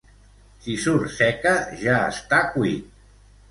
Si surt seca, ja està cuit.